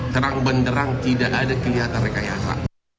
terang benderang tidak ada kelihatan rekayasa